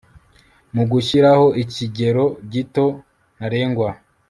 Mu gushyiraho ikigero gito ntarengwa